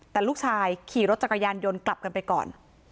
แต่ลูกชายขี่รถจักรยานยนต์กลับกันไปก่อน